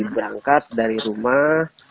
berangkat dari rumah